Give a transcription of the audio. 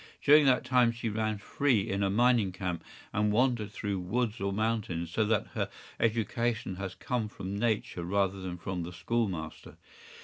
During that time she ran free in a mining camp, and wandered through woods or mountains, so that her education has come from Nature rather than from the school master.